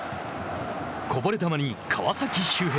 こぼれ球に川崎修平。